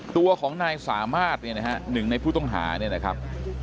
ตัวของนายสามารถเนี่ยนะฮะหนึ่งในผู้ต้องหาเนี่ยนะครับ